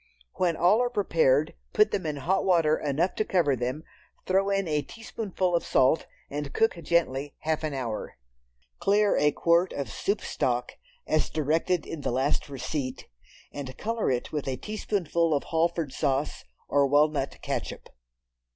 When all are prepared, put them in hot water enough to cover them, throw in a teaspoonful of salt and cook gently half an hour. Clear a quart of soup stock as directed in the last receipt, and color it with a teaspoonful of Halford sauce, or walnut catsup.